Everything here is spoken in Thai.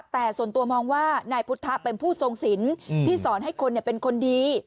แต่ส่วนตัวมองว่านายพุทธเป็นผู้ทรงสินที่สอนให้คนเป็นคนดี